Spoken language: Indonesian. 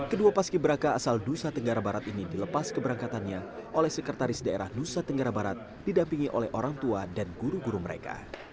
kedua paski beraka asal nusa tenggara barat ini dilepas keberangkatannya oleh sekretaris daerah nusa tenggara barat didampingi oleh orang tua dan guru guru mereka